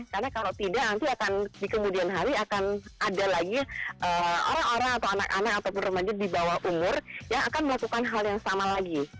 karena kalau tidak nanti akan di kemudian hari akan ada lagi orang orang atau anak anak ataupun remaja di bawah umur yang akan melakukan hal yang sama lagi